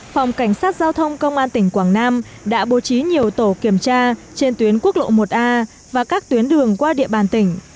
phòng cảnh sát giao thông công an tỉnh quảng nam đã bố trí nhiều tổ kiểm tra trên tuyến quốc lộ một a và các tuyến đường qua địa bàn tỉnh